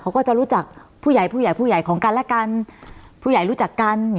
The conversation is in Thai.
เขาก็จะรู้จักผู้ใหญ่ผู้ใหญ่ผู้ใหญ่ของกันและกันผู้ใหญ่รู้จักกัน